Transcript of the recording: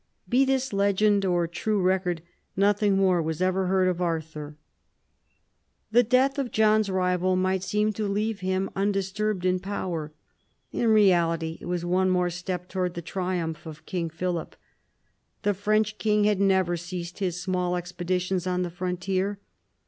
Be this legend or true record, nothing more was ever heard of Arthur. The death of John's rival might seem to leave him undisturbed in power. In reality it was one more step towards the triumph of King Philip. The French king had never ceased his small expeditions on the frontier.